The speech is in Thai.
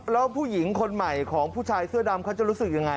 แล้วผู้หญิงคนใหม่ของผู้ชายเสื้อดำเขาจะรู้สึกยังไง